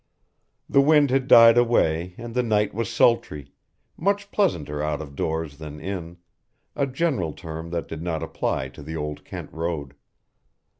The wind had died away and the night was sultry, much pleasanter out of doors than in, a general term that did not apply to the Old Kent Road.